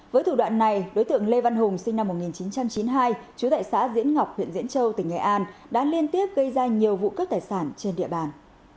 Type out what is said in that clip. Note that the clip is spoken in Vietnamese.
với thủ đoạn này đối tượng lê văn hùng sinh năm một nghìn chín trăm chín mươi hai chú tại xã diễn ngọc huyện diễn châu tỉnh nghệ an đã liên tiếp gây ra nhiều vụ cướp tài sản trên địa bàn